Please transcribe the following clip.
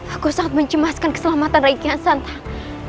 aku sangat mencemaskan keselamatan rai kian santang